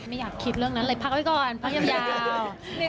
อยากคิดเรื่องนั้นเลยพักไว้ก่อนพักยาว